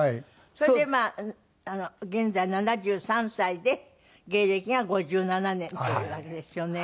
それでまあ現在７３歳で芸歴が５７年というわけですよね。